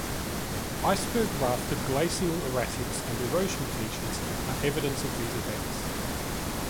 Iceberg rafted glacial erratics and erosion features are evidence of these events.